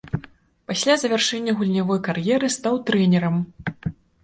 Пасля завяршэння гульнявой кар'еры стаў трэнерам.